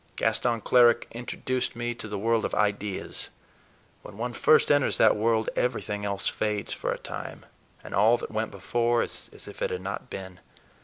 Gaston Cleric introduced me to the world of ideas; when one first enters that world everything else fades for a time, and all that went before is as if it had not been.